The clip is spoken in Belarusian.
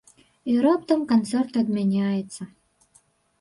І раптам канцэрт адмяняецца.